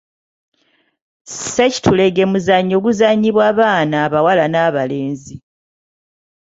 Ssekitulege muzannyo guzannyibwa baana abawala n'abalenzi.